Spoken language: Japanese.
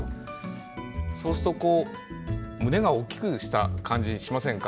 そうすると胸が大きくなった感じがしませんか？